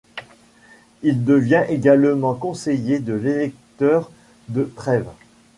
Il devient également conseiller de l'électeur de Trèves.